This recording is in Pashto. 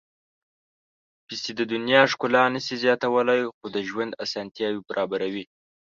پېسې د دنیا ښکلا نه شي زیاتولی، خو د ژوند اسانتیاوې برابروي.